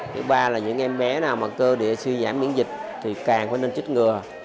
thứ ba là những em bé nào mà cơ địa suy giảm miễn dịch thì càng phải nên trích ngừa